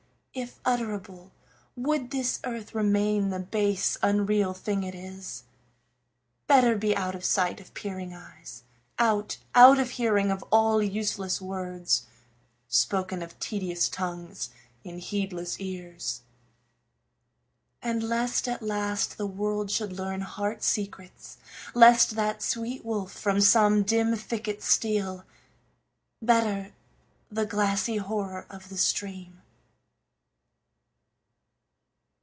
if utterable, would this earth Remain the base, unreal thing it is? Better be out of sight of peering eyes; Out out of hearing of all useless words, Spoken of tedious tongues in heedless ears. And lest, at last, the world should learn heart secrets; Lest that sweet wolf from some dim thicket steal; Better the glassy horror of the stream.